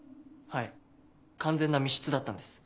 はい完全な密室だったんです。